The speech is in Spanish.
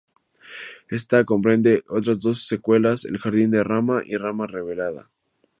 Esta comprende otras dos secuelas, "El jardín de Rama" y "Rama revelada".